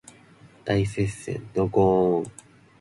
大接戦ドゴーーン